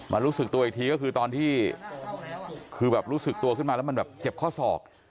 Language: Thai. รู้สึกตัวอีกทีก็คือตอนที่คือแบบรู้สึกตัวขึ้นมาแล้วมันแบบเจ็บข้อศอก